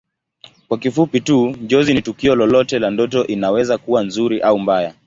Kwa kifupi tu Njozi ni tukio lolote la ndoto inaweza kuwa nzuri au mbaya